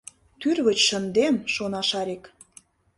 Тӱрвыч шындем! — шона Шарик.